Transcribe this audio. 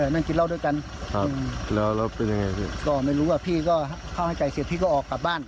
นั่งกินเหล้าด้วยกัน